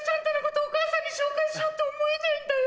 お母さんに紹介しようと思えないんだよ。